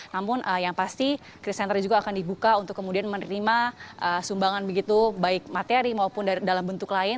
namun yang pasti kris center juga akan dibuka untuk kemudian menerima sumbangan begitu baik materi maupun dalam bentuk lain